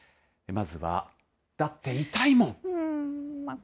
まずは、だって痛いもん。